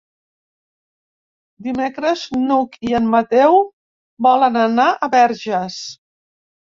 Dimecres n'Hug i en Mateu volen anar a Verges.